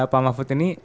pak mahfud ini